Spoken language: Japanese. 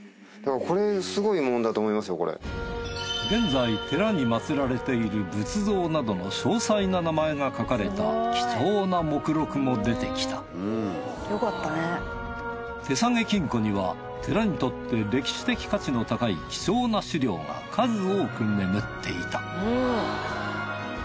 現在寺に祀られている仏像などの詳細な名前が書かれた貴重な目録も出てきた手提げ金庫には寺にとって歴史的価値の高い貴重な史料が数多く眠っていた。